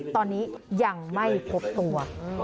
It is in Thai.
ตอนนี้ยังไม่พบตัว